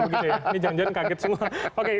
jangan jangan kaget semua